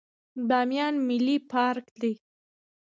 بامیان ملي پارک دی